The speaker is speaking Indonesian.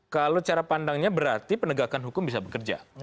kalau cara pandangnya berarti penegakan hukum bisa bekerja